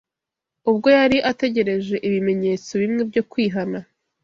ubwo yari ategereje ibimenyetso bimwe byo kwihana